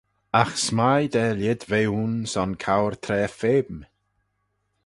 Agh s'mie da lhied ve ayn son cour traa feme.